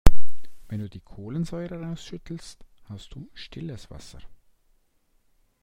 Wenn du die Kohlensäure rausschüttelst, hast du stilles Wasser.